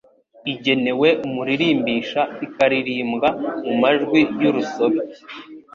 Igenewe umuririmbisha ikaririmbwa mu majwi y’urusobe